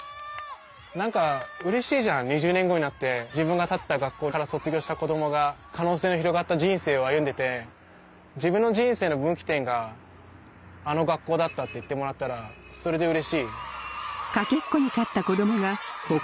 何かうれしいじゃん２０年後になって自分が建てた学校から卒業した子供が可能性の広がった人生を歩んでて自分の人生の分岐点があの学校だったって言ってもらったらそれでうれしい。